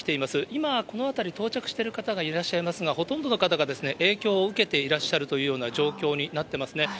今、この辺り、到着している方がいらっしゃいますが、ほとんどの方が影響を受けていらっしゃるというような状況になってますね。